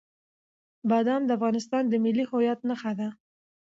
بادام د افغانستان د ملي هویت نښه ده.